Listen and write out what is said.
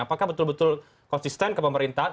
apakah betul betul konsisten ke pemerintahan